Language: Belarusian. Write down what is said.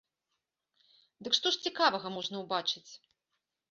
Дык што ж цікавага можна ўбачыць?